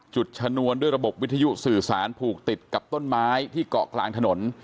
ชนวนด้วยระบบวิทยุสื่อสารผูกติดกับต้นไม้ที่เกาะกลางถนน